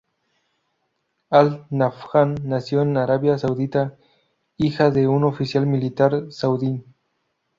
Al-nafjan nació en Arabia Saudita, hija de un oficial militar saudí.